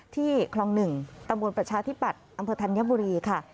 ที่คลองหนึ่งตำรวจประชาธิปัตย์อำเภอธันยบุรีค่ะ